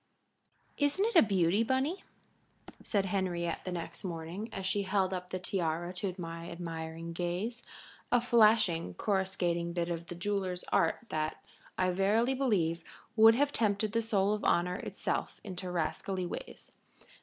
"Isn't it a beauty, Bunny," said Henriette the next morning, as she held up the tiara to my admiring gaze, a flashing, coruscating bit of the jeweler's art that, I verily believe, would have tempted the soul of honor itself into rascally ways.